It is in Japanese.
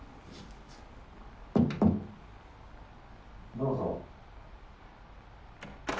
・どうぞ。